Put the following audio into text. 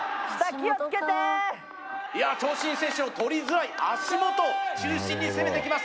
いや長身選手の取りづらい足元を中心に攻めてきます